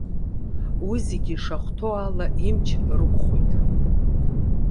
Уи зегьы ишахәҭоу ала имч рықәхоит.